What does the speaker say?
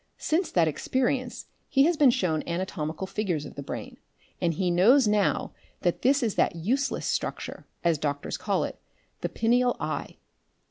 Since that experience he has been shown anatomical figures of the brain, and he knows now that this is that useless structure, as doctors call it, the pineal eye.